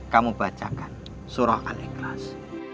kamu bacakan surah al ikhlas